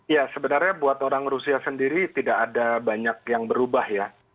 ya sebenarnya buat orang rusia sendiri tidak ada banyak yang berubah ya